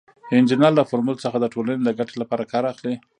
انجینر له فورمول څخه د ټولنې د ګټې لپاره کار اخلي.